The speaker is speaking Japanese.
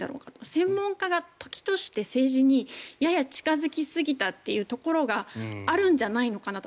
専門家が時として政治にやや近付きすぎたというところがあるんじゃないのかなと。